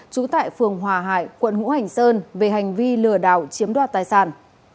trú tại phường hòa hải quận ngũ hành sơn về hành vi lừa đảo chiếm đoạt tài sản